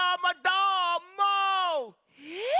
えっ